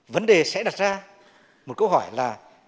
vấn đề sẽ đặt ra một câu hỏi là